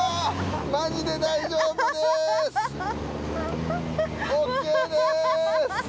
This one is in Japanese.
マジで大丈夫です。